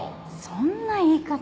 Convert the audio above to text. そんな言い方。